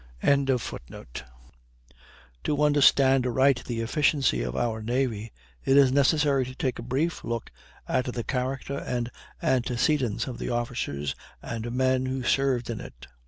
] To understand aright the efficiency of our navy, it is necessary to take a brief look at the character and antecedents of the officers and men who served in it.